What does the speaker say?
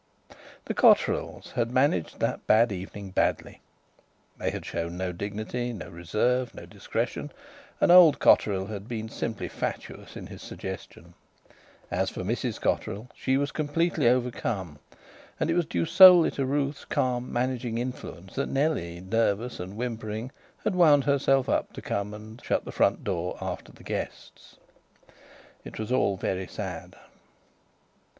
The Cotterills had managed that bad evening badly. They had shown no dignity, no reserve, no discretion; and old Cotterill had been simply fatuous in his suggestion. As for Mrs Cotterill, she was completely overcome, and it was due solely to Ruth's calm, managing influence that Nellie, nervous and whimpering, had wound herself up to come and shut the front door after the guests. It was all very sad.